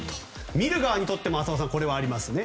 見る側にとっても浅尾さんこれはありますね。